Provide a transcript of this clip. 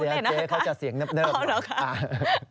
เดี๋ยวเดี๋ยวเจ๊เขาจะเสียงเนิบหน่อย